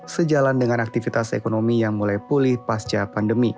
sejalan dengan aktivitas ekonomi yang mulai pulih pasca pandemi